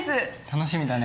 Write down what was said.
楽しみだね。